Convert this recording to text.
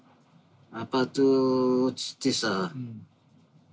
アパート移ってさ